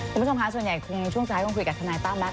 คุณผู้ชมคะส่วนใหญ่คงช่วงซ้ายคงคุยกับทนายตั้มแล้ว